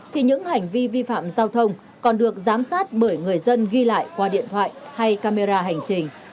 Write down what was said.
thì những hành vi vi phạm giao thông còn được giám sát bởi người dân ghi lại qua điện thoại hay camera hành trình